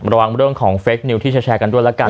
ระวังเรื่องของเฟคนิวที่แชร์กันด้วยแล้วกัน